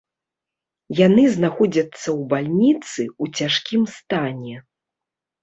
Яны знаходзяцца ў бальніцы у цяжкім стане.